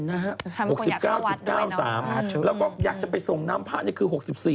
ทำให้คนอยากเข้าวัดด้วยนะครับ๖๙๙๓แล้วก็อยากจะไปส่งน้ำผ้านี่คือ๖๔๒๖